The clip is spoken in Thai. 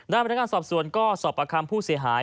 ด้านบริการสอบส่วนก็สอบประคัมผู้เสียหาย